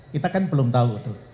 kita kan belum tahu